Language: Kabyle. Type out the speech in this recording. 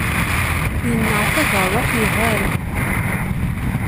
Yenneɛtab rruḥ, ihan.